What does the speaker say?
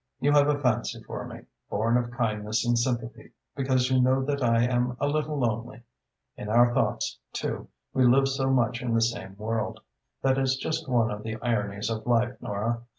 You have a fancy for me, born of kindness and sympathy, because you know that I am a little lonely. In our thoughts, too, we live so much in the same world. That is just one of the ironies of life, Nora.